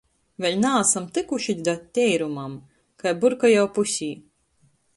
Vēļ naasam tykuši da teirumam, kai burka jau pusē.